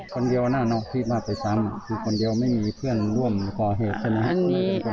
คนเดียวนะเนาะที่มาไปซ้ำอยู่คนเดียวไม่มีเพื่อนร่วมก่อเหตุใช่ไหมครับ